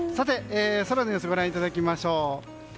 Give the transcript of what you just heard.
空の様子をご覧いただきましょう。